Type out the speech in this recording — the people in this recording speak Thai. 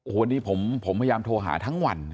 วันนี้ผมพยายามโทรหาทั้งวัน